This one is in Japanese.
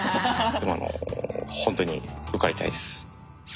でもあの本当に受かりたいです。